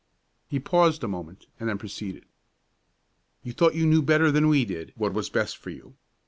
He paused a moment and then proceeded: "You thought you knew better than we did what was best for you.